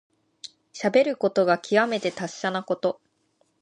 しゃべることがきわめて達者なこと。